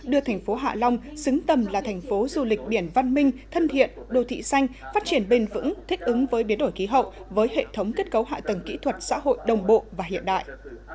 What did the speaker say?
đưa thành phố hạ long xứng tầm là thành phố du lịch biển văn minh thân thiện đô thị xanh phát triển bền vững thích ứng với biến đổi khí hậu với hệ thống kết cấu hạ tầng kỹ thuật xã hội đồng bộ và hiện đại